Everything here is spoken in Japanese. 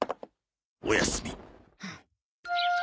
おやすみ。